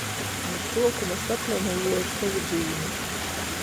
Nu suokuma saplanavoju sovu dīnu.